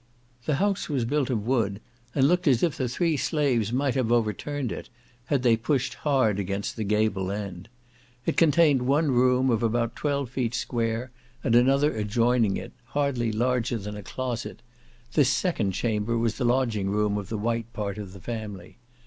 The house was built of wood, and looked as if the three slaves might have overturned it, had they pushed hard against the gable end. It contained one room, of about twelve feet square, and another adjoining it, hardly larger than a closet; this second chamber was the lodging room of the white part of the family.